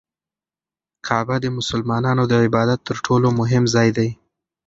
کعبه د مسلمانانو د عبادت تر ټولو مهم ځای دی.